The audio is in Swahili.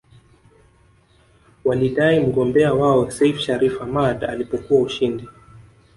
Walidai mgombea wao Seif Shariff Hamad alipokwa ushindi